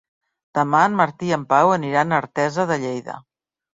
Demà en Martí i en Pau aniran a Artesa de Lleida.